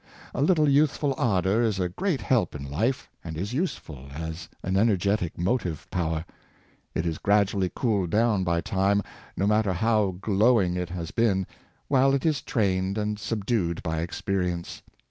A little youthful ardor is a great help in life, and is useful as an energetic motive power. It is gradually cooled down by Time, no matter how glowing it has been, while it is trained and subdued by experience.